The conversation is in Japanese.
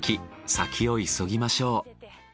先を急ぎましょう。